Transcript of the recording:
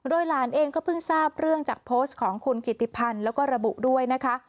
หลานเองก็เพิ่งทราบเรื่องจากโพสต์ของคุณกิติพันธ์แล้วก็ระบุด้วยนะคะ